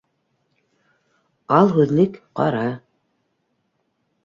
Ал һүҙлек, ҡара!